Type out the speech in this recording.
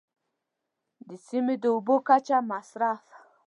د سیمو د اوبو کچه، مصرف.